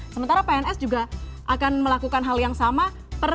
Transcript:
sementara pns juga akan melakukan hal yang sama per lima belas mei